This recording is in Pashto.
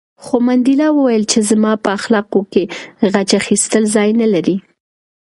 خو منډېلا وویل چې زما په اخلاقو کې غچ اخیستل ځای نه لري.